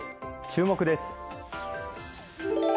注目です。